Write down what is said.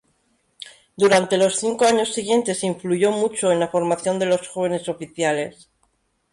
Durante los cinco años siguientes, influyó mucho en la formación de los jóvenes oficiales.